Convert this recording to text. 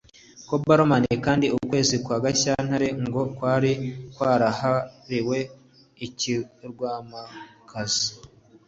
Ku baromani kandi ukwezi kwa Gashyantare ngo kwari kwarahariwe ikigirwamanakazi “Junon Februata” cy’urukundo